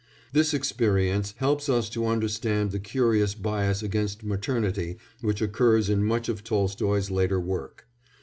This experience helps us to understand the curious bias against maternity which occurs in much of Tolstoy's later work.